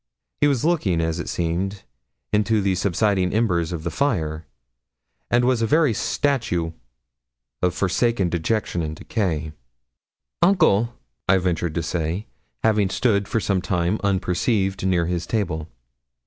He was looking, as it seemed, into the subsiding embers of the fire, and was a very statue of forsaken dejection and decay. 'Uncle!' I ventured to say, having stood for some time unperceived near his table.